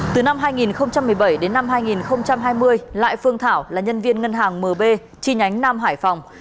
từ năm hai nghìn một mươi bảy đến năm hai nghìn hai mươi lại phương thảo là nhân viên ngân hàng mb chi nhánh nam hải phòng